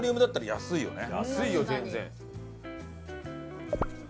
安いよ全然！